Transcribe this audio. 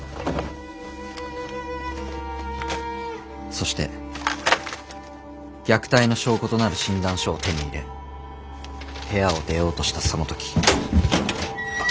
そして虐待の証拠となる診断書を手に入れ部屋を出ようとしたその時。